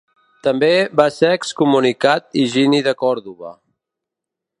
També va ser excomunicat Higini de Còrdova.